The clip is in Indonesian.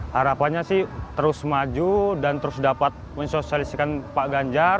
harapannya sih terus maju dan terus dapat mensosialisikan pak ganjar